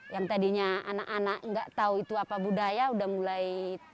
yang tadinya anak anak nggak tahu itu apa budaya udah mulai